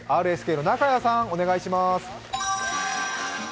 ＲＳＫの中屋さん、お願いします。